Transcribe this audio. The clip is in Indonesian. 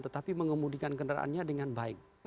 tetapi mengemudikan kendaraannya dengan baik